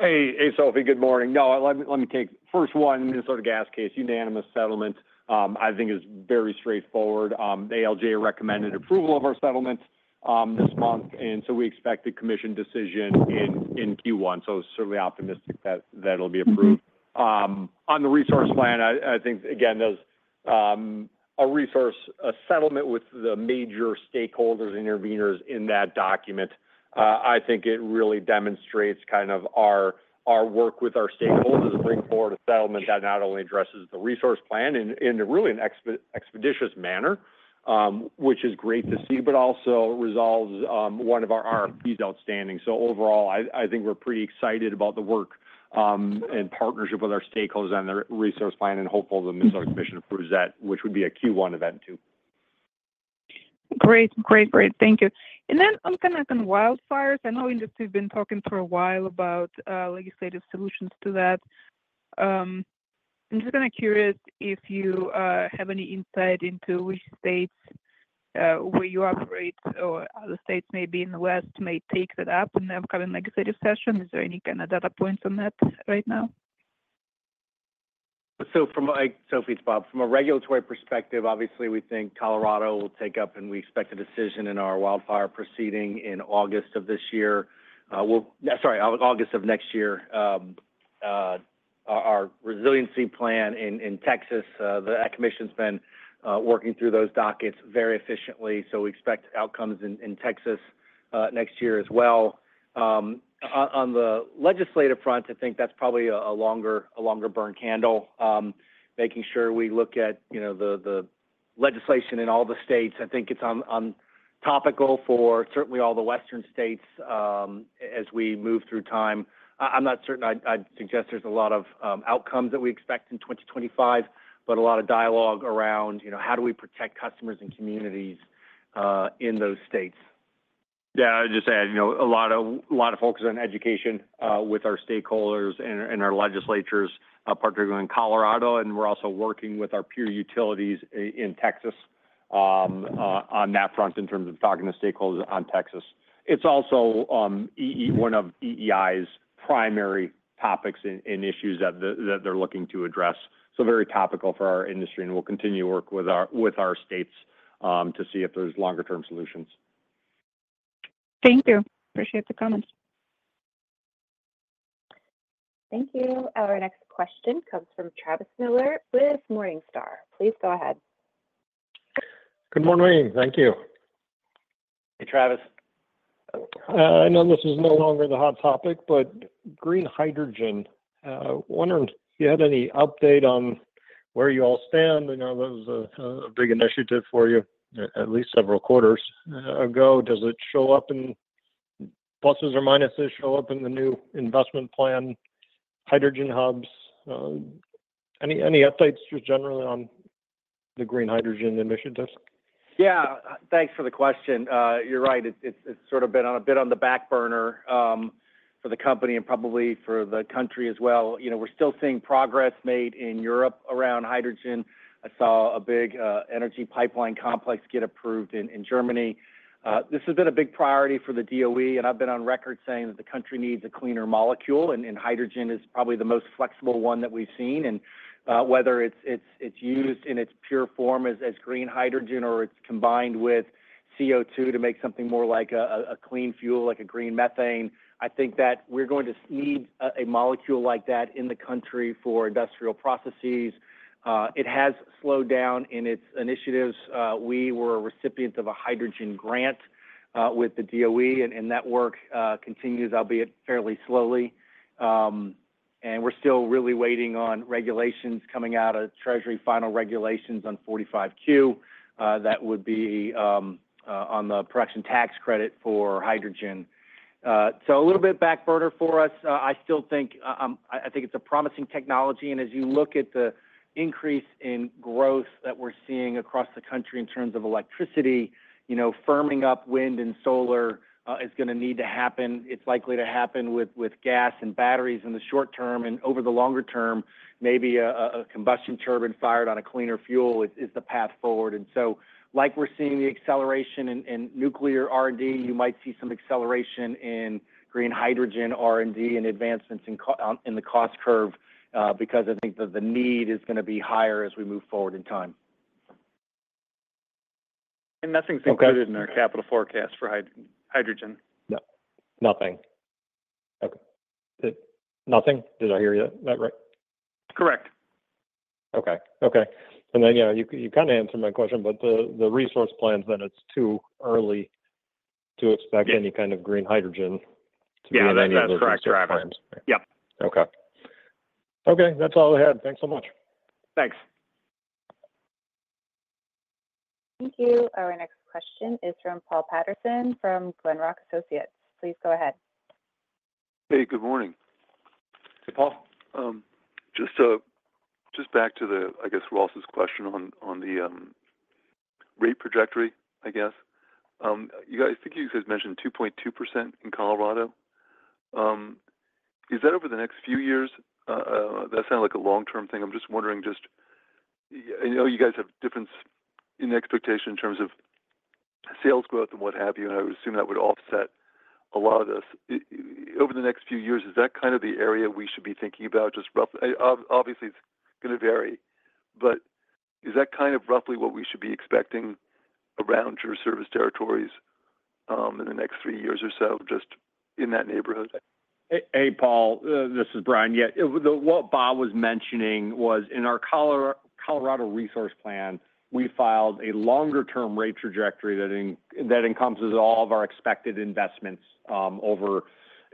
Hey, Sophie. Good morning. No, let me take first one, Minnesota gas case, unanimous settlement. I think it's very straightforward. ALJ recommended approval of our settlement this month, and so we expect the commission decision in Q1. So certainly optimistic that it'll be approved. On the resource plan, I think, again, there's a resource settlement with the major stakeholders and intervenors in that document. I think it really demonstrates kind of our work with our stakeholders to bring forward a settlement that not only addresses the resource plan in really an expeditious manner, which is great to see, but also resolves one of our RFPs outstanding. So overall, I think we're pretty excited about the work and partnership with our stakeholders on the resource plan and hopeful the Minnesota Commission approves that, which would be a Q1 event too. Great. Great. Great. Thank you. And then I'm going to ask on wildfires. I know we've been talking for a while about legislative solutions to that. I'm just kind of curious if you have any insight into which states where you operate or other states maybe in the West may take that up in the upcoming legislative session. Is there any kind of data points on that right now? So, Sophie, it's Bob. From a regulatory perspective, obviously, we think Colorado will take up, and we expect a decision in our wildfire proceeding in August of this year. Sorry, August of next year. Our resiliency plan in Texas, the commission's been working through those dockets very efficiently, so we expect outcomes in Texas next year as well. On the legislative front, I think that's probably a longer burn candle, making sure we look at the legislation in all the states. I think it's topical for certainly all the Western states as we move through time. I'm not certain. I'd suggest there's a lot of outcomes that we expect in 2025, but a lot of dialogue around how do we protect customers and communities in those states. Yeah. I'd just add a lot of focus on education with our stakeholders and our legislators, particularly in Colorado. And we're also working with our peer utilities in Texas on that front in terms of talking to stakeholders on Texas. It's also one of EEI's primary topics and issues that they're looking to address. So very topical for our industry, and we'll continue to work with our states to see if there's longer-term solutions. Thank you. Appreciate the comments. Thank you. Our next question comes from Travis Miller with Morningstar. Please go ahead. Good morning. Thank you. Hey, Travis. I know this is no longer the hot topic, but green hydrogen. I wondered if you had any update on where you all stand. I know that was a big initiative for you at least several quarters ago. Does it show up in pluses or minuses? Does it show up in the new investment plan, hydrogen hubs? Any updates just generally on the green hydrogen initiatives? Yeah. Thanks for the question. You're right. It's sort of been a bit on the back burner for the company and probably for the country as well. We're still seeing progress made in Europe around hydrogen. I saw a big energy pipeline complex get approved in Germany. This has been a big priority for the DOE, and I've been on record saying that the country needs a cleaner molecule, and hydrogen is probably the most flexible one that we've seen. And whether it's used in its pure form as green hydrogen or it's combined with CO2 to make something more like a clean fuel, like a green methane, I think that we're going to need a molecule like that in the country for industrial processes. It has slowed down in its initiatives. We were a recipient of a hydrogen grant with the DOE, and that work continues, albeit fairly slowly. We're still really waiting on regulations coming out of Treasury's final regulations on 45Q. That would be on the production tax credit for hydrogen. So a little bit on the back burner for us. I still think it's a promising technology. And as you look at the increase in growth that we're seeing across the country in terms of electricity, firming up wind and solar is going to need to happen. It's likely to happen with gas and batteries in the short term. And over the longer term, maybe a combustion turbine fired on a cleaner fuel is the path forward. And so like we're seeing the acceleration in nuclear R&D, you might see some acceleration in green hydrogen R&D and advancements in the cost curve because I think the need is going to be higher as we move forward in time. Nothing's included in our capital forecast for hydrogen. Nothing. Okay. Nothing. Did I hear you that right? Correct. Okay. Okay, and then you kind of answered my question, but the resource plans, then it's too early to expect any kind of green hydrogen to be in any of those gas plans. Yeah. That's correct. Yep. Okay. Okay. That's all I had. Thanks so much. Thanks. Thank you. Our next question is from Paul Patterson from Glenrock Associates. Please go ahead. Hey, good morning. Hey, Paul. Just back to the, I guess, Ross's question on the rate trajectory, I guess. I think you guys mentioned 2.2% in Colorado. Is that over the next few years? That sounded like a long-term thing. I'm just wondering just, I know you guys have difference in expectation in terms of sales growth and what have you, and I would assume that would offset a lot of this. Over the next few years, is that kind of the area we should be thinking about? Obviously, it's going to vary, but is that kind of roughly what we should be expecting around your service territories in the next three years or so just in that neighborhood? Hey, Paul. This is Brian. Yeah. What Bob was mentioning was in our Colorado Resource Plan, we filed a longer-term rate trajectory that encompasses all of our expected investments over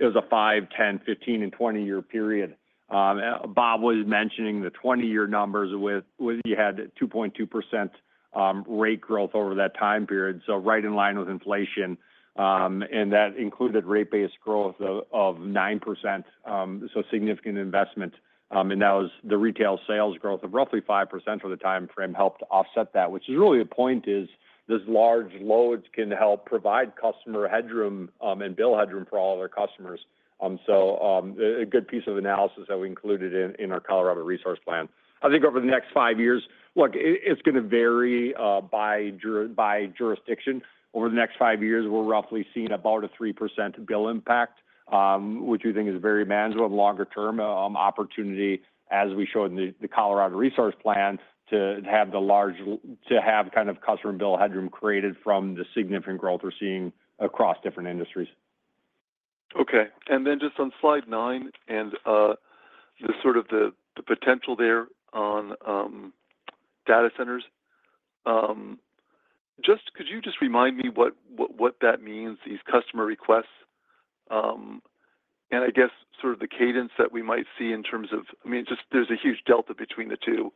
a five, 10, 15, and 20-year period. Bob was mentioning the 20-year numbers which had 2.2% rate growth over that time period, so right in line with inflation. And that included rate base growth of 9%, so significant investment. And that was the retail sales growth of roughly 5% for the time frame helped offset that. What's really the point is these large loads can help provide customer headroom and bill headroom for all of our customers. So a good piece of analysis that we included in our Colorado Resource Plan. I think over the next five years, look, it's going to vary by jurisdiction. Over the next five years, we're roughly seeing about a 3% bill impact, which we think is a very manageable and longer-term opportunity as we show in the Colorado Resource Plan to have the large kind of customer bill headroom created from the significant growth we're seeing across different industries. Okay. And then just on slide 9 and sort of the potential there on data centers, could you just remind me what that means, these customer requests? And I guess sort of the cadence that we might see in terms of, I mean, there's a huge delta between the two.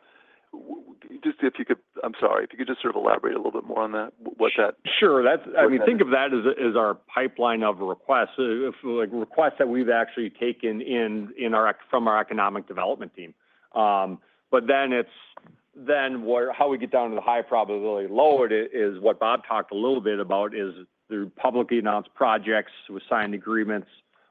Just if you could, I'm sorry, if you could just sort of elaborate a little bit more on that, what that. Sure. I mean, think of that as our pipeline of requests, requests that we've actually taken from our economic development team. But then how we get down to the high probability load is what Bob talked a little bit about is the publicly announced projects with signed agreements,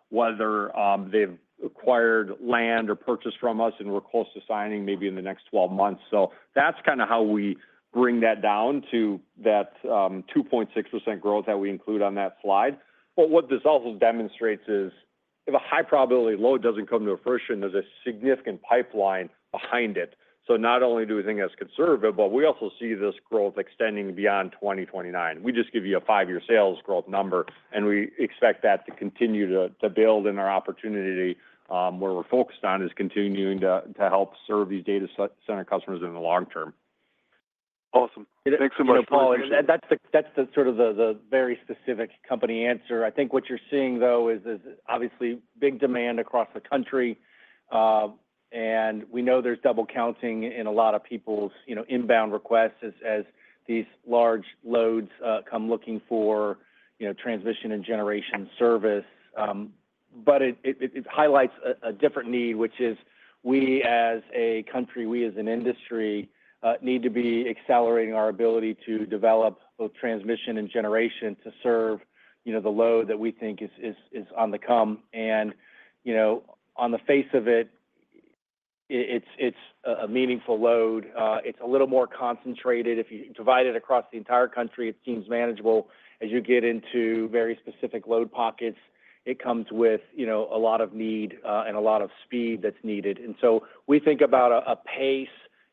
whether they've acquired land or purchased from us and we're close to signing maybe in the next 12 months. So that's kind of how we bring that down to that 2.6% growth that we include on that slide. But what this also demonstrates is if a high probability load doesn't come to fruition, there's a significant pipeline behind it. So not only do we think that's conservative, but we also see this growth extending beyond 2029. We just give you a five-year sales growth number, and we expect that to continue to build in our opportunity where we're focused on is continuing to help serve these data center customers in the long term. Awesome. Thanks so much, Paul. That's sort of the very specific company answer. I think what you're seeing, though, is obviously big demand across the country. And we know there's double counting in a lot of people's inbound requests as these large loads come looking for transmission and generation service. But it highlights a different need, which is we, as a country, we as an industry need to be accelerating our ability to develop both transmission and generation to serve the load that we think is on the come. And on the face of it, it's a meaningful load. It's a little more concentrated. If you divide it across the entire country, it seems manageable. As you get into very specific load pockets, it comes with a lot of need and a lot of speed that's needed. And so we think about a pace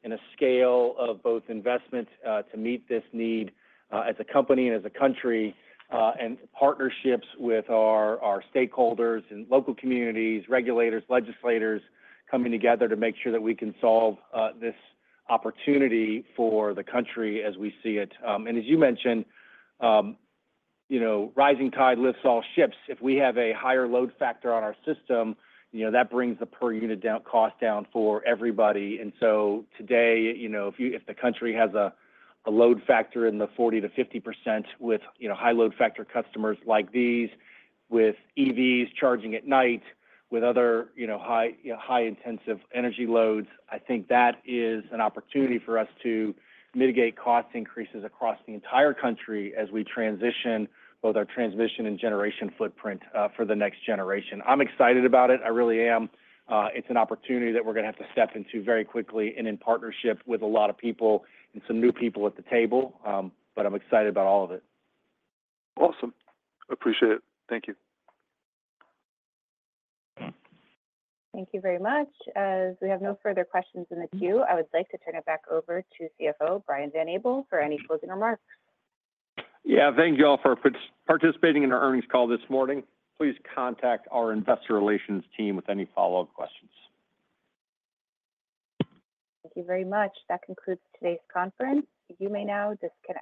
and a scale of both investment to meet this need as a company and as a country and partnerships with our stakeholders and local communities, regulators, legislators coming together to make sure that we can solve this opportunity for the country as we see it. And as you mentioned, rising tide lifts all ships. If we have a higher load factor on our system, that brings the per unit cost down for everybody. And so today, if the country has a load factor in the 40%-50% with high load factor customers like these, with EVs charging at night, with other high-intensive energy loads, I think that is an opportunity for us to mitigate cost increases across the entire country as we transition both our transmission and generation footprint for the next generation. I'm excited about it. I really am. It's an opportunity that we're going to have to step into very quickly and in partnership with a lot of people and some new people at the table, but I'm excited about all of it. Awesome. Appreciate it. Thank you. Thank you very much. As we have no further questions in the queue, I would like to turn it back over to CFO Brian Van Abel for any closing remarks. Yeah. Thank you all for participating in our earnings call this morning. Please contact our investor relations team with any follow-up questions. Thank you very much. That concludes today's conference. You may now disconnect.